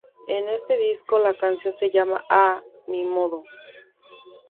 En ese disco, la canción se llamó "A mi modo".